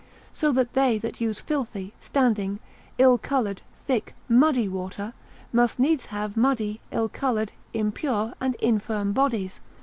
So that they that use filthy, standing, ill coloured, thick, muddy water, must needs have muddy, ill coloured, impure, and infirm bodies.